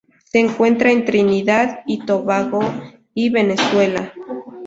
Se encuentra en Trinidad y Tobago y Venezuela.